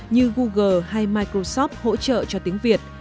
như google hay microsoft hỗ trợ cho tiếng việt